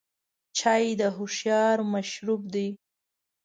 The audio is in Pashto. چای د هوښیارو مشروب دی.